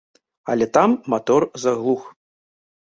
Але там матор заглух.